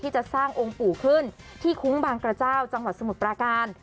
จังหวัดสมุดประการ